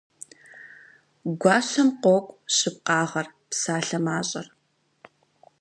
Гуащэм къокӀу щыпкъагъэр, псалъэ мащӀэр.